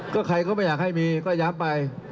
ก็ใครก็ไม่อยากให้มีก็ย้ำไป